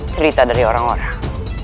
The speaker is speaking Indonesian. cerita dari orang orang